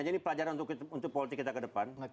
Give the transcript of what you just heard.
jadi pelajaran untuk politik kita ke depan